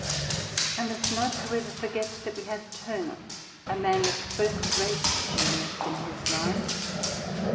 I must not, however, forget that we have Turner, a man of first rate genius in his line.